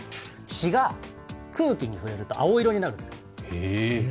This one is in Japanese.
血が空気に触れると青色になるんです。